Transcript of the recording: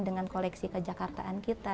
dengan koleksi kejakartaan kita